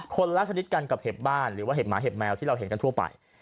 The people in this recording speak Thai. คนละชนิดกันกับเห็บบ้านหรือว่าเห็บหมาเห็บแมวที่เราเห็นกันทั่วไป